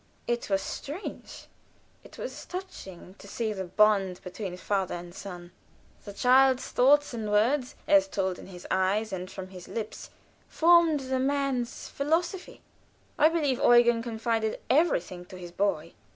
It was strange, it was touching, to see the bond between father and son. The child's thoughts and words, as told in his eyes and from his lips, formed the man's philosophy. I believe Eugen confided everything to his boy.